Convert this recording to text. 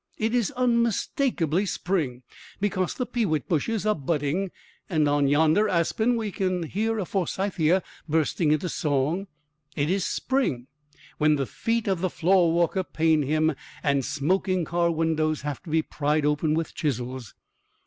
It is unmistakably spring, because the pewit bushes are budding and on yonder aspen we can hear a forsythia bursting into song. It is spring, when the feet of the floorwalker pain him and smoking car windows have to be pried open with chisels.